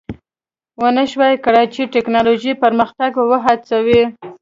ونشوای کړای چې ټکنالوژیک پرمختګونه وهڅوي